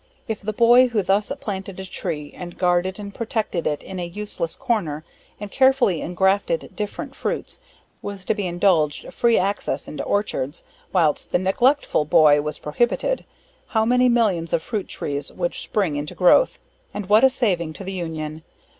If the boy who thus planted a tree, and guarded and protected it in a useless corner, and carefully engrafted different fruits, was to be indulged free access into orchards, whilst the neglectful boy was prohibited how many millions of fruit trees would spring into growth and what a saving to the union.